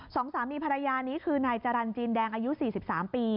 สองสามีภรรยานี้คือนายจรรย์จีนแดงอายุ๔๓ปี